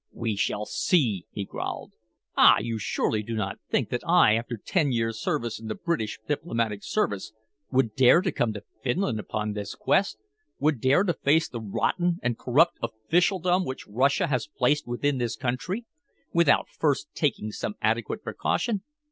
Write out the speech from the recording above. "We shall see," he growled. "Ah! you surely do not think that I, after ten years' service in the British diplomatic service, would dare to come to Finland upon this quest would dare to face the rotten and corrupt officialdom which Russia has placed within this country without first taking some adequate precaution?